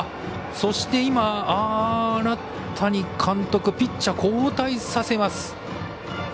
そして、荒谷監督ピッチャー交代させます。